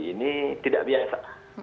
ini tidak biasa